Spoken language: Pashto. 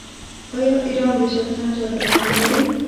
آیا ایران د شطرنج اتلان نلري؟